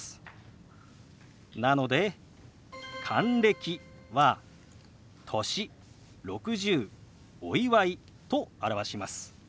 なので「還暦」は「歳」「６０」「お祝い」と表します。